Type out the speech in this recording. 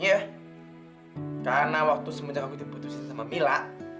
iya karena waktu semenjak aku diputusin sama mila